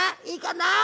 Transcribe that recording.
いいかな？